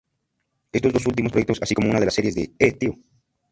Estos dos últimos proyectos así como una de las series de "¡Eh, tío!